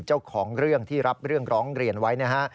เจ้าของเรื่องที่รับเรื่องร้องเรียนไว้นะฮะ